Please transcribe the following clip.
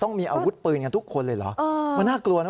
ต้องมีอาวุธปืนกันทุกคนเลยหรือ